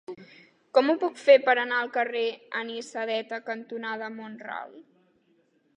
Com ho puc fer per anar al carrer Anisadeta cantonada Mont-ral?